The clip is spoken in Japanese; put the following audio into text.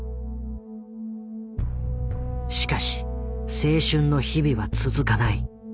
しかし青春の日々は続かない。